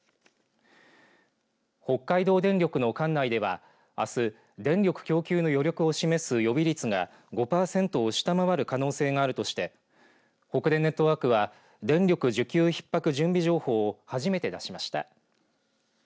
北海道電力の管内ではあす、電力供給の予備率を示す５パーセントを下回る可能性があるとして北電ネットワークは電力需給ひっ迫準備情報を初めて出しました。